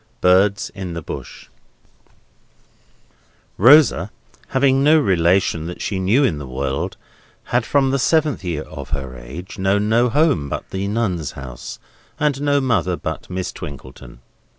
BIRDS IN THE BUSH Rosa, having no relation that she knew of in the world, had, from the seventh year of her age, known no home but the Nuns' House, and no mother but Miss Twinkleton.